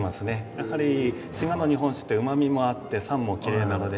やはり滋賀の日本酒ってうまみもあって酸もきれいなので。